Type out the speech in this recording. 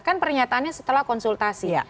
kan pernyataannya setelah konsultasi